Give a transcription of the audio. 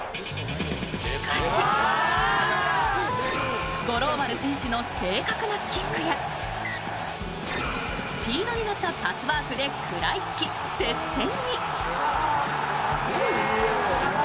しかし五郎丸選手の正確なキックやスピードに乗ったパスワークで食らいつき、接戦に。